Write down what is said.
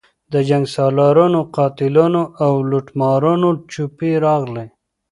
د جنګسالارانو، قاتلانو او لوټمارانو جوپې راغلي.